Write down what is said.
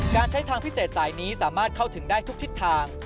การใช้ทางพิเศษสายนี้สามารถเข้าถึงได้ทุกทิศทาง